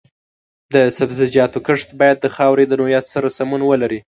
د سبزیجاتو کښت باید د خاورې د نوعیت سره سمون ولري.